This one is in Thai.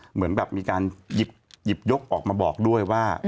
เหมือนแบบมีการหยิบยกออกมาบอกด้วยว่า